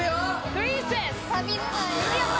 「プリンセス」違う！